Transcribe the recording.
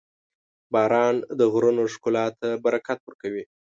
• باران د غرونو ښکلا ته برکت ورکوي.